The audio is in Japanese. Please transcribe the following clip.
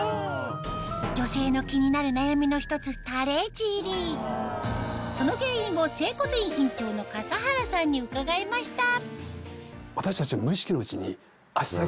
女性の気になる悩みの１つその原因を整骨院院長の笠原さんに伺いました